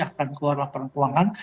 akan keluar laporan keuangan